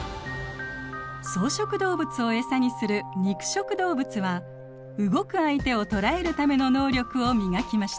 草食動物をエサにする肉食動物は動く相手を捕らえるための能力を磨きました。